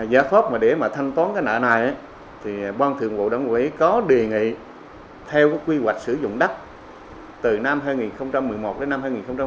giá pháp để mà thanh toán cái nợ này thì quan thượng vụ đảng quỹ có đề nghị theo quy hoạch sử dụng đắt từ năm hai nghìn một mươi một đến năm hai nghìn hai mươi